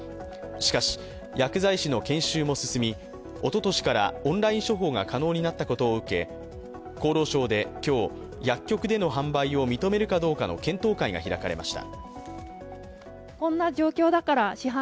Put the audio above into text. しかし、薬剤師の研修も進み、おととしからオンライン処方が可能になったことを受け厚労省で今日、薬局での販売を認めるかどうかの検討会が開かれました。